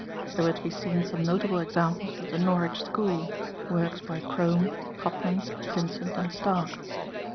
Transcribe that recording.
There were to be seen some notable examples of the "Norwich School" works by Crome, Cotman, Vincent and Stark.